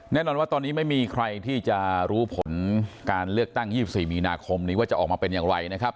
แน่นอนว่าตอนนี้ไม่มีใครที่จะรู้ผลการเลือกตั้ง๒๔มีนาคมนี้ว่าจะออกมาเป็นอย่างไรนะครับ